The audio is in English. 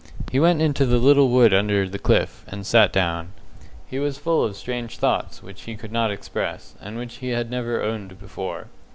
He went into the little wood under the cliff, and sat down. He was full of strange thoughts, which he could not express, and which he had never owned before.